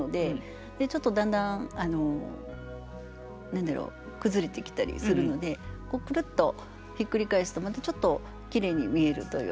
ちょっとだんだん何だろう崩れてきたりするのでくるっとひっくり返すとまたちょっときれいに見えるという。